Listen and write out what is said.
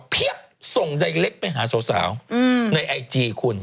ส่งใดเล็กไปหาสาวในไอจีคุณ